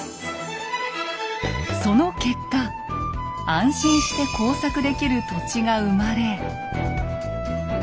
その結果安心して耕作できる土地が生まれ。